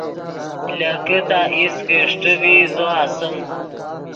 لیکے تا ایست کہ اݰٹے ڤی زو اسیم